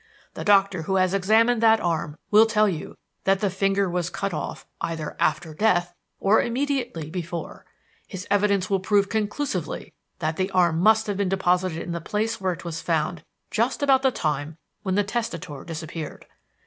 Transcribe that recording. The doctor who has examined that arm will tell you that the finger was cut off either after death or immediately before; and his evidence will prove conclusively that that arm must have been deposited in the place where it was found just about the time when the testator disappeared.